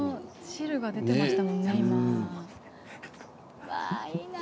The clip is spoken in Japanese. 汁が出てましたもんね、今。